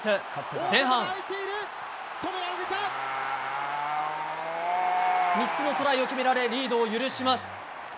前半３つのトライを決められリードを許します。